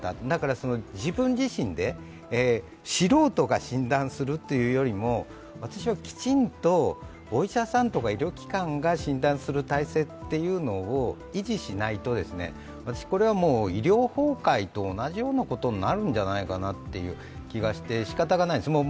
だから自分自身で、素人が診断するというよりも、きちんとお医者さんとか医療機関が診断する体制を維持しないと、医療崩壊と同じようなことになるんじゃないかという気がしてしかたがないです。